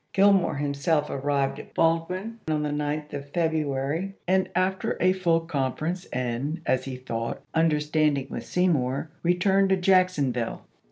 Gillmore himself arrived at Baldwin on the 9th of February, and after a full conference i864. and, as he thought, understanding with Seymour returned to Jacksonville.